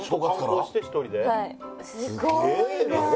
観光して１人で？